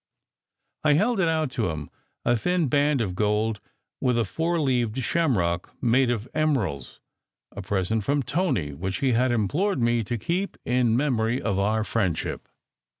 I held it out to him : a thin band of gold with a four leaved shamrock made of emeralds a present from Tony, which he had implored me to keep in memory of our "friendship."